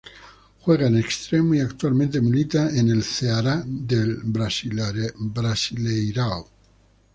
Juega de Extremo y actualmente milita en el Ceará del Brasileirão.